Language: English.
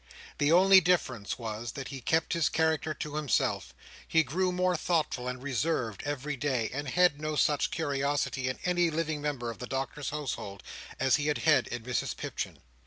The only difference was, that he kept his character to himself. He grew more thoughtful and reserved, every day; and had no such curiosity in any living member of the Doctor's household, as he had had in Mrs Pipchin.